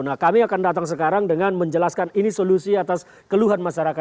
nah kami akan datang sekarang dengan menjelaskan ini solusi atas keluhan masyarakat